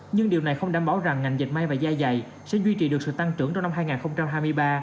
nhưng điều này không đảm bảo rằng ngành dịch may và da dày sẽ duy trì được sự tăng trưởng trong năm hai nghìn hai mươi ba